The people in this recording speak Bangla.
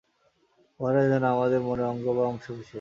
উহারা যেন আমাদেরই মনের অঙ্গ বা অংশবিশেষ।